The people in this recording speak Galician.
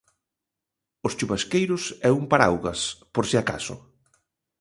Os chuvasqueiros e un paraugas, por se acaso.